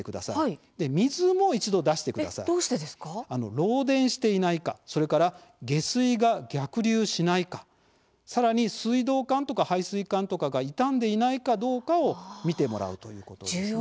漏電していないかそれから、下水が逆流しないかさらに、水道管とか排水管とかが傷んでいないかどうかを見てもらうということですね。